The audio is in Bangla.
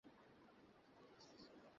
আমরা দুজন মেয়েমানুষ এর কী করতে পারি!